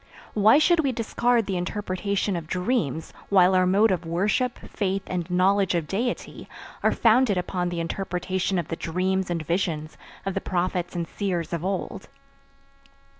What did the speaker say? Why should we discard the interpretation of dreams while our mode of worship, faith and knowledge of Deity are founded upon the interpretation of the dreams and visions of the prophets and seers of old.